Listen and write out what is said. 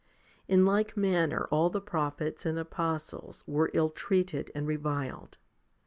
2 In like manner all the prophets and apostles were ill treated and reviled.